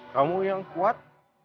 kamu yang kuat